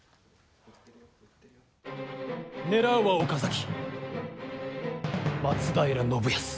狙うは岡崎、松平信康！